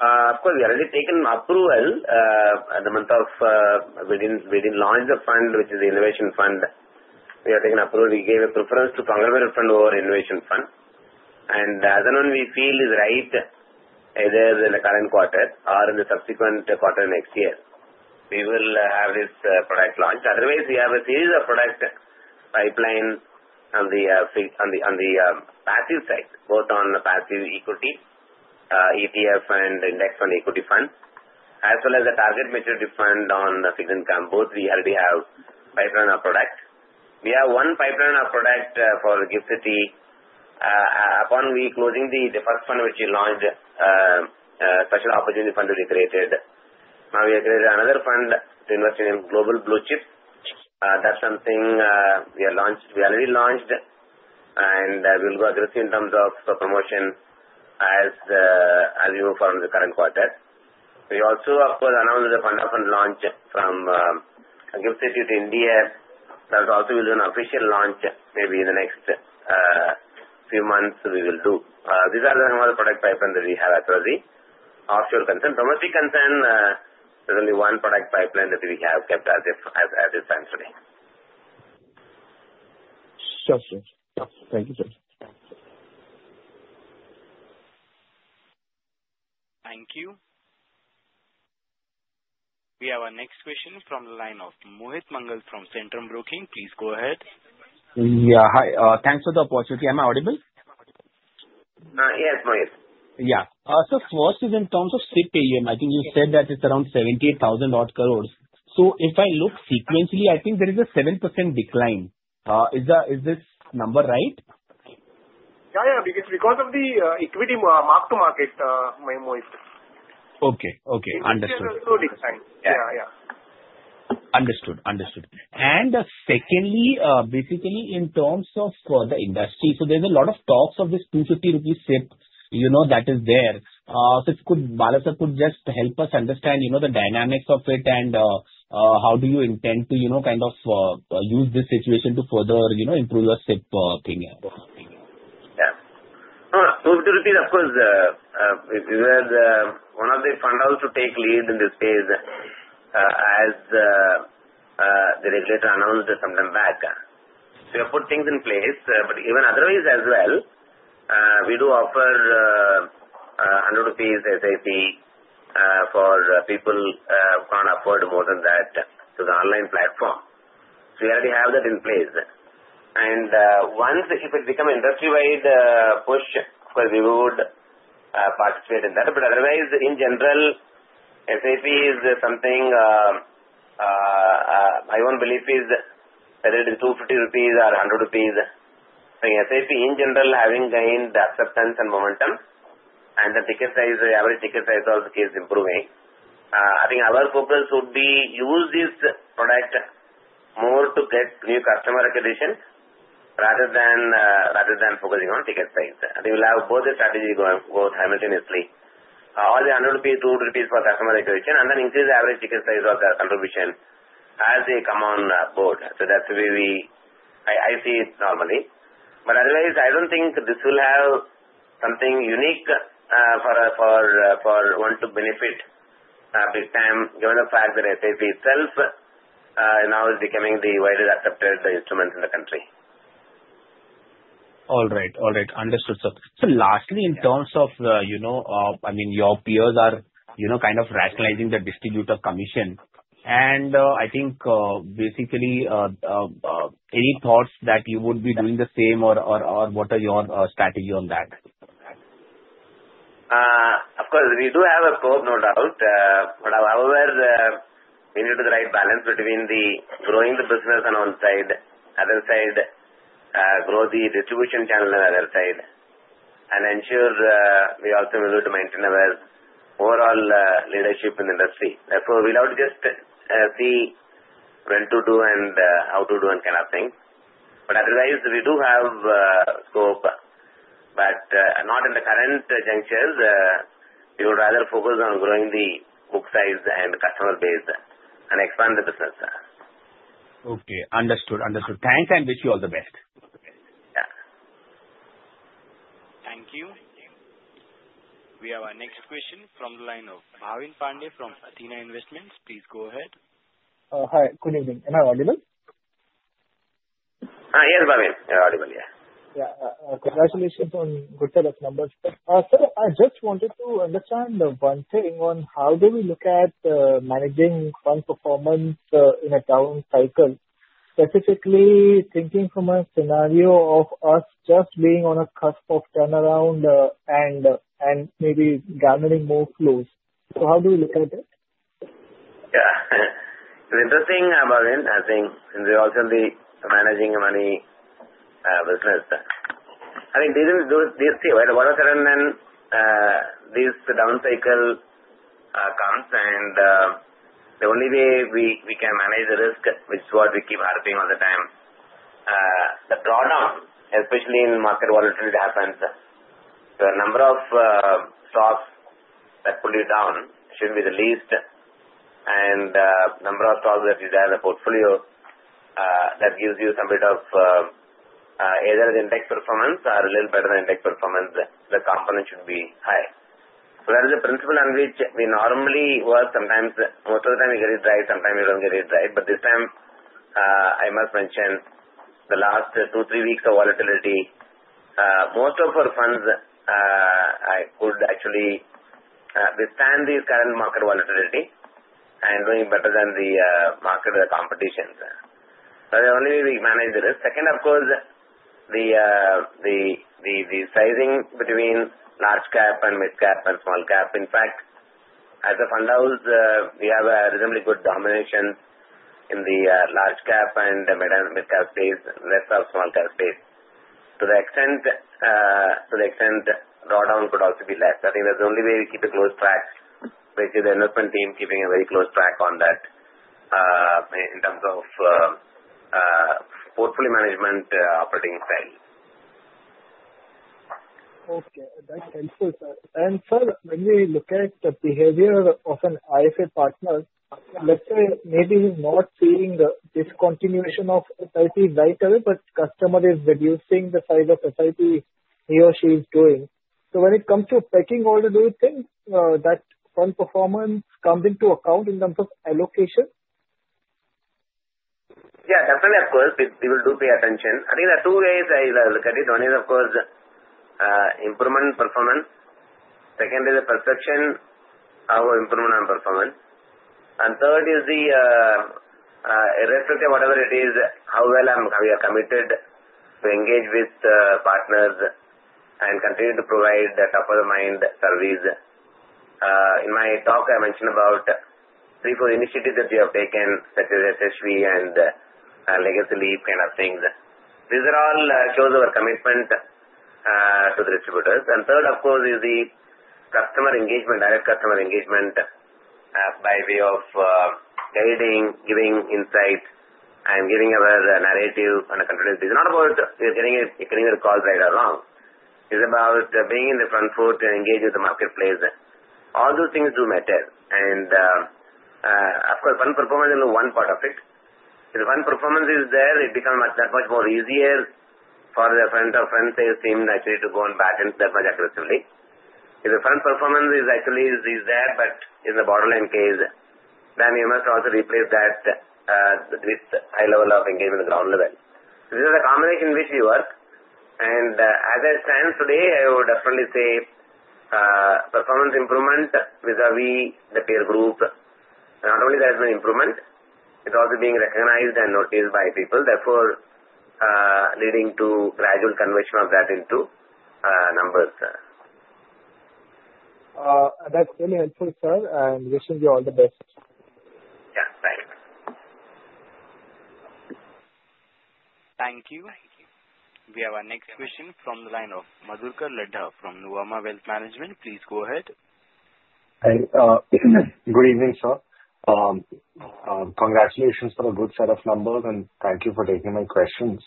[SPEAKER 3] Of course, we already taken approval at the month of within launch of fund, which is the innovation fund. We have taken approval. We gave a preference to conglomerate fund over innovation fund. And as and when we feel is right, either in the current quarter or in the subsequent quarter next year, we will have this product launched. Otherwise, we have a series of product pipeline on the passive side, both on the passive equity ETF and index fund equity fund, as well as the target maturity fund on fixed income. Both we already have pipeline of product. We have one pipeline of product for GIFT City. Upon we closing the first fund, which we launched, a special opportunity fund to be created. Now we have created another fund to invest in global blue-chip. That's something we already launched, and we'll go aggressive in terms of promotion as we move forward in the current quarter. We also, of course, announced the fund launch from GIFT City to India. That also will be an official launch maybe in the next few months we will do. These are some of the product pipeline that we have as well. The offshore concern, domestic concern, there's only one product pipeline that we have kept as it stands today.
[SPEAKER 8] Sure, sir. Thank you, sir.
[SPEAKER 1] Thank you. We have our next question from the line of Mohit Mangal from Centrum Broking. Please go ahead. Yeah. Hi. Thanks for the opportunity. Am I audible?
[SPEAKER 3] Yes, Mohit. Yeah. So first is in terms of SIP AUM. I think you said that it's around 78,000-odd crore. So if I look sequentially, I think there is a 7% decline. Is this number right?
[SPEAKER 10] Yeah, yeah. Because of the equity mark-to-market, Mohit. Okay. Okay. Understood.
[SPEAKER 3] This is a slow decline. Yeah, yeah. Understood. Understood. And secondly, basically in terms of the industry, so there's a lot of talks of this 250 rupees SIP that is there. So Balasubramanian could just help us understand the dynamics of it and how do you intend to kind of use this situation to further improve your SIP thing? Yeah. So to repeat, of course, one of the fund houses to take lead in this phase as the regulator announced some time back. We have put things in place, but even otherwise as well, we do offer 100 rupees SIP for people who can't afford more than that to the online platform. So we already have that in place. And once if it becomes an industry-wide push, of course, we would participate in that. But otherwise, in general, SIP is something my own belief is whether it is 250 rupees or 100 rupees. I think SIP in general having gained acceptance and momentum and the ticket size, the average ticket size also keeps improving. I think our focus would be to use this product more to get new customer recognition rather than focusing on ticket size. I think we'll have both the strategy going both simultaneously. Or the 100 rupees, 200 rupees for customer recognition, and then increase the average ticket size or contribution as they come on board. So that's the way I see it normally. But otherwise, I don't think this will have something unique for one to benefit big time given the fact that SIP itself now is becoming the widest accepted instrument in the country. All right. All right. Understood, sir. So lastly, in terms of, I mean, your peers are kind of rationalizing the distribution commission. And I think basically any thoughts that you would be doing the same or what are your strategy on that? Of course, we do have a scope, no doubt. But however, we need to do the right balance between growing the business on one side, other side grow the distribution channel on the other side, and ensure we also need to maintain our overall leadership in the industry. Therefore, we'll have to just see when to do and how to do and kind of thing. But otherwise, we do have scope, but not in the current juncture. We would rather focus on growing the book size and customer base and expand the business. Okay. Understood. Understood. Thanks, and wish you all the best. Yeah.
[SPEAKER 1] Thank you. We have our next question from the line of Bhavin Pande from Athena Investments. Please go ahead.
[SPEAKER 11] Hi. Good evening. Am I audible?
[SPEAKER 3] Yes, Bhavin. You're audible, yeah.
[SPEAKER 11] Yeah. Congratulations on good set of numbers. Sir, I just wanted to understand one thing on how do we look at managing fund performance in a down cycle, specifically thinking from a scenario of us just being on a cusp of turnaround and maybe gathering more flows. So how do we look at it?
[SPEAKER 3] Yeah. The interesting, Bhavin, I think, is also the managing money business. I think these things, right, all of a sudden then this down cycle comes, and the only way we can manage the risk, which is what we keep harping all the time, the drawdown, especially in market volatility happens. So a number of stocks that pull you down should be the least, and a number of stocks that you have in the portfolio that gives you some bit of either the index performance or a little better than index performance, the component should be high. So that is the principle on which we normally work. Sometimes, most of the time you get it right. Sometimes you don't get it right. But this time, I must mention the last two, three weeks of volatility. Most of our funds could actually withstand the current market volatility and doing better than the market or the competition. So the only way we manage the risk. Second, of course, the sizing between large cap and mid cap and small cap. In fact, as a fund house, we have a reasonably good dominance in the large cap and mid cap space, less of small cap space. To the extent drawdown could also be less. I think that's the only way we keep a close track, which is the investment team keeping a very close track on that in terms of portfolio management operating style.
[SPEAKER 11] Okay. That's helpful, sir. And sir, when we look at the behavior of an IFA partner, let's say maybe not seeing the discontinuation of SIP right away, but customer is reducing the size of SIP he or she is doing. So when it comes to pecking order doing things, that fund performance comes into account in terms of allocation?
[SPEAKER 3] Yeah. Definitely, of course, we will do pay attention. I think there are two ways I look at it. One is, of course, improvement in performance. Second is the perception of improvement on performance. And third is the, irrespective of whatever it is, how well we are committed to engage with partners and continue to provide top-of-the-mind service. In my talk, I mentioned about three, four initiatives that we have taken, such as SHV and Legacy Leap kind of things. These all show our commitment to the distributors. And third, of course, is the customer engagement, direct customer engagement by way of guiding, giving insight, and giving our narrative on a continuous basis. It's not about getting the calls right or wrong. It's about being in the front foot and engage with the marketplace. All those things do matter. And of course, fund performance is only one part of it. If the fund performance is there, it becomes that much more easier for the front-end sales team actually to go and push that much aggressively. If the fund performance is actually there, but in the borderline case, then we must also replace that with high level of engagement at the ground level. So this is the combination in which we work. And as it stands today, I would definitely say performance improvement versus the peer group, not only is there improvement, it's also being recognized and noticed by people. Therefore, leading to gradual conversion of that into numbers.
[SPEAKER 11] That's really helpful, sir, and wishing you all the best.
[SPEAKER 3] Yeah. Thanks.
[SPEAKER 1] Thank you. We have our next question from the line of Madhukar Ladha from Nuvama Wealth Management. Please go ahead.
[SPEAKER 12] Good evening, sir. Congratulations for a good set of numbers, and thank you for taking my questions.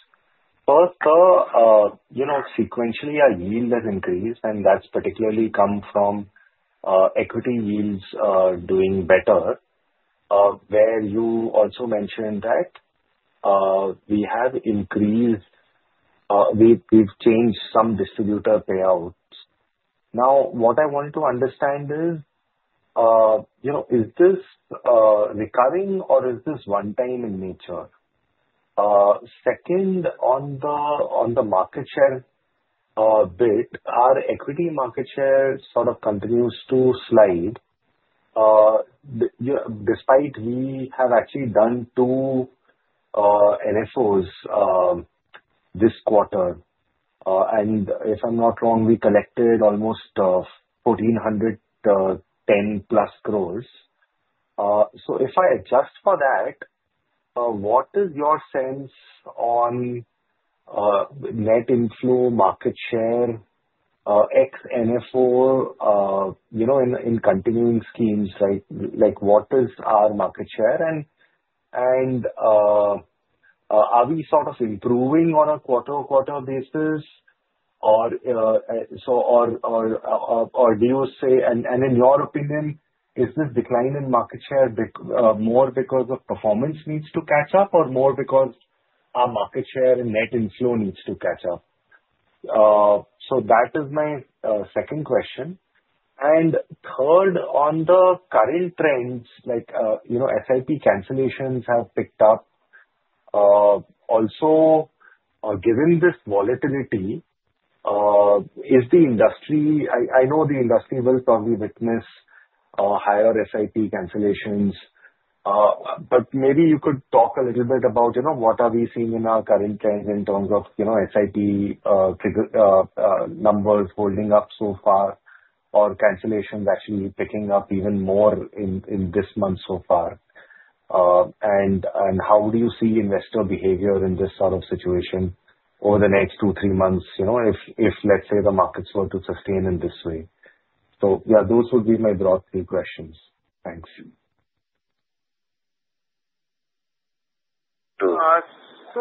[SPEAKER 12] First, sir, sequentially, our yield has increased, and that's particularly come from equity yields doing better, where you also mentioned that we have increased, we've changed some distributor payouts. Now, what I want to understand is, is this recurring or is this one-time in nature? Second, on the market share bit, our equity market share sort of continues to slide despite we have actually done two NFOs this quarter, and if I'm not wrong, we collected almost 1,410+ crores. So if I adjust for that, what is your sense on net inflow, market share, ex-NFO in continuing schemes? What is our market share, and are we sort of improving on a quarter-to-quarter basis? Or do you say, and in your opinion, is this decline in market share more because of performance needs to catch up or more because our market share and net inflow needs to catch up? So that is my second question. And third, on the current trends, SIP cancellations have picked up. Also, given this volatility, is the industry, I know the industry will probably witness higher SIP cancellations, but maybe you could talk a little bit about what are we seeing in our current trends in terms of SIP numbers holding up so far or cancellations actually picking up even more in this month so far? And how do you see investor behavior in this sort of situation over the next two, three months if, let's say, the markets were to sustain in this way? So yeah, those would be my broad three questions. Thanks.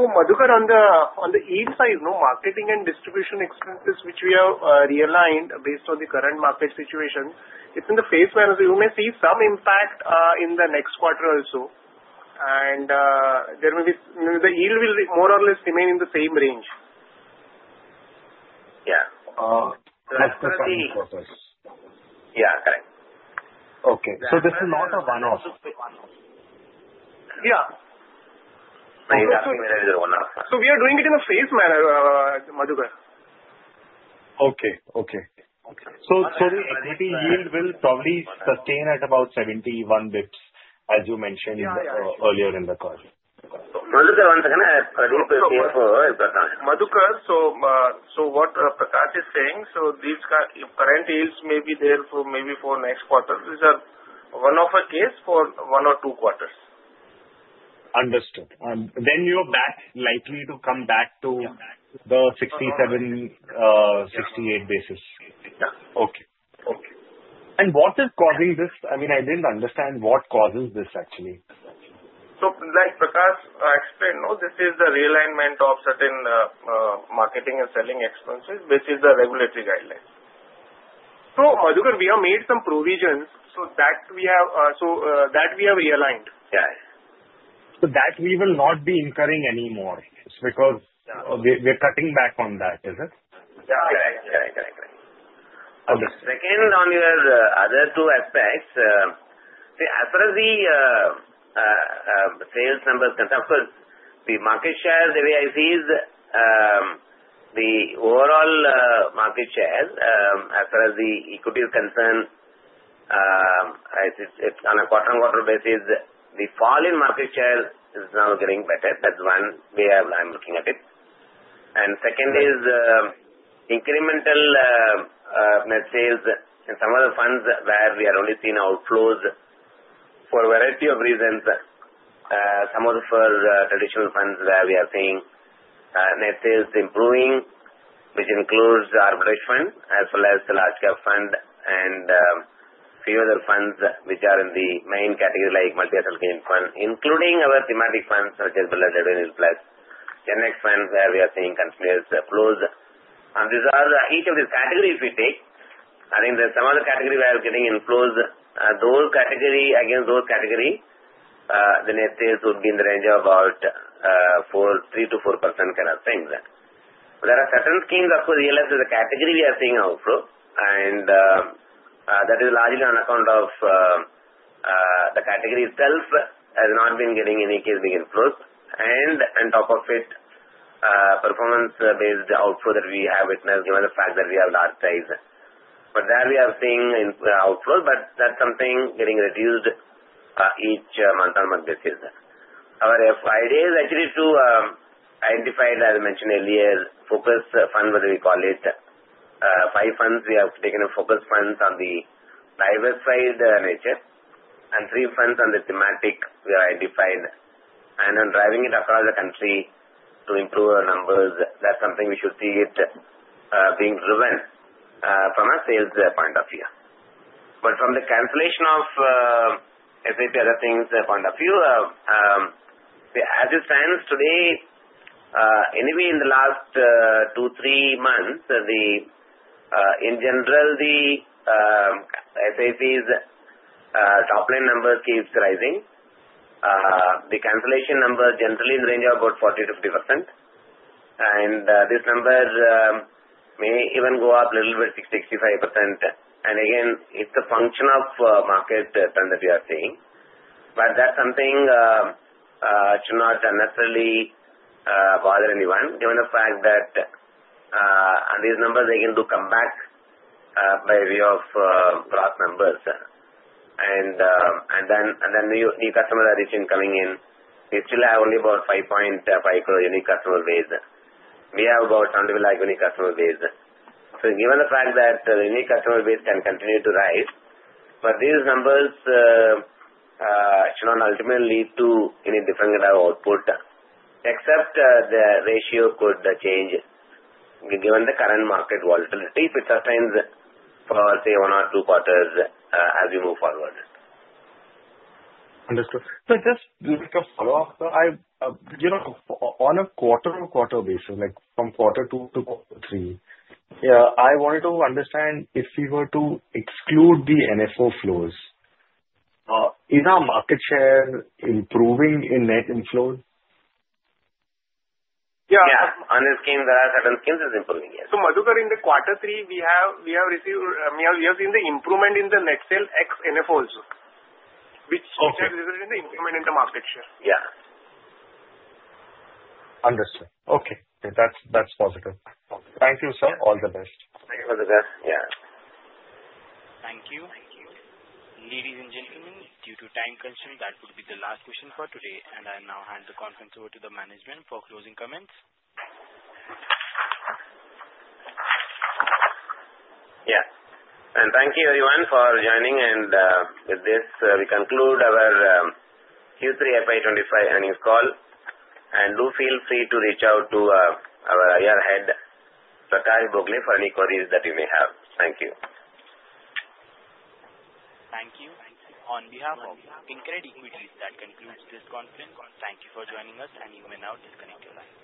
[SPEAKER 3] Madhukar, on the yield side, marketing and distribution expenses, which we have realigned based on the current market situation, it's in the phase where you may see some impact in the next quarter also, the yield will more or less remain in the same range. Yeah. That's the first process. Yeah. Correct.
[SPEAKER 12] Okay. So this is not a one-off?
[SPEAKER 3] Yeah.
[SPEAKER 5] We are doing it in a phased manner, Madhukar.
[SPEAKER 12] So the equity yield will probably sustain at about 71 bps, as you mentioned earlier in the call.
[SPEAKER 3] Madhukar, so what Prakash is saying, so these current yields may be there maybe for next quarter. These are one-off case for one or two quarters.
[SPEAKER 12] Understood. Then you're likely to come back to the 67-68 basis.
[SPEAKER 3] Yeah.
[SPEAKER 12] Okay. Okay. And what is causing this? I mean, I didn't understand what causes this, actually.
[SPEAKER 3] So like Prakash explained, this is the realignment of certain marketing and selling expenses, which is the regulatory guidelines. So Madhukar, we have made some provisions so that we have realigned.
[SPEAKER 5] Yeah.
[SPEAKER 12] So that we will not be incurring anymore because we're cutting back on that, is it?
[SPEAKER 3] Yeah. Correct. Correct. Correct. Correct. Again, on your other two aspects, as far as the sales numbers concerned, of course, the market share, the way I see it, the overall market share, as far as the equity is concerned, it's on a quarter-on-quarter basis. The fall in market share is now getting better. That's one way I'm looking at it. And second is incremental net sales in some of the funds where we are only seeing outflows for a variety of reasons. Some of the traditional funds where we are seeing net sales improving, which includes the arbitrage fund as well as the large cap fund and a few other funds which are in the main category like Multi Asset Allocation Fund, including our thematic funds such as Balanced Advantage Fund, Index funds where we are seeing continuous flows. And these are each of these categories we take. I think there's some other category where we're getting inflows. Again, those categories, the net sales would be in the range of about 3%-4% kind of things. There are certain schemes, of course, Retirement Benefit Fund as a category we are seeing outflow, and that is largely on account of the category itself has not been getting any inflows. And on top of it, performance-based outflow that we have witnessed given the fact that we have large size. But there we are seeing outflows, but that's something getting reduced each month-on-month basis. Our idea is actually to identify, as I mentioned earlier, focus fund, whether we call it five funds. We have taken a focus fund on the diversified nature and three funds on the thematic we have identified. And on driving it across the country to improve our numbers, that's something we should see it being driven from a sales point of view. But from the cancellation of SIP and other things point of view, as it stands today, anyway, in the last two, three months, in general, the SIPs top-line number keeps rising. The cancellation number generally in the range of about 40%-50%. And this number may even go up a little bit, 60%-65%. And again, it's a function of market trend that we are seeing. But that's something should not necessarily bother anyone given the fact that on these numbers, they can make a comeback by way of growth numbers. And then new customers are coming in. We still have only about 5.5 crore unique customer base. We have about 70 million unique customer base. So, given the fact that the unique customer base can continue to rise, but these numbers should not ultimately lead to any different kind of output, except the ratio could change given the current market volatility if it sustains for, say, one or two quarters as we move forward.
[SPEAKER 12] Understood. So just like a follow-up, sir, on a quarter-on-quarter basis, from quarter two to quarter three, I wanted to understand if we were to exclude the NFO flows, is our market share improving in net inflows?
[SPEAKER 3] Yeah. On a scheme that are certain schemes is improving, yes.
[SPEAKER 5] Madhukar, in the quarter three, we have received the improvement in the net sales ex-NFOs, which is the improvement in the market share.
[SPEAKER 3] Yeah.
[SPEAKER 12] Understood. Okay. That's positive. Thank you, sir. All the best.
[SPEAKER 3] Thank you for the call. Yeah.
[SPEAKER 1] Thank you. Ladies and gentlemen, due to time constraints, that would be the last question for today, and I now hand the conference over to the management for closing comments.
[SPEAKER 3] Yes. And thank you, everyone, for joining. And with this, we conclude our Q3 FY 2025 earnings call. And do feel free to reach out to our IR head, Prakash Bhogale, for any queries that you may have. Thank you.
[SPEAKER 1] Thank you. On behalf of InCred Equities, that concludes this conference. Thank you for joining us, and you may now disconnect your line.